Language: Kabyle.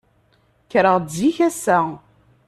Kkreɣ-d zik ass-a.